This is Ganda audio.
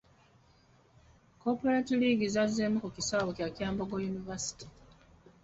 Corporate League zazzeemu ku kisaawe kya Kyambogo University.